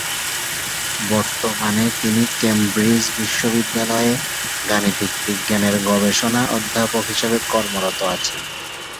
বর্তমানে তিনি কেমব্রিজ বিশ্ববিদ্যালয়ে গাণিতিক বিজ্ঞানের গবেষণা অধ্যাপক হিসেবে কর্মরত আছেন।